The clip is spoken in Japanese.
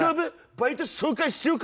バイト紹介しようか？